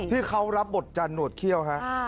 ที่เขารับบทจันหนวดเขี้ยว